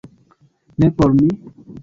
Ne por mi?